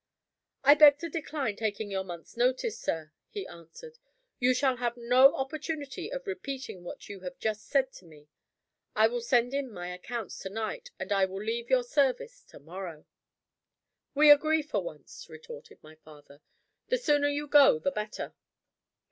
"I beg to decline taking your month's notice, sir," he answered. "You shall have no opportunity of repeating what you have just said to me. I will send in my accounts to night. And I will leave your service to morrow." "We agree for once," retorted my father. "The sooner you go, the better."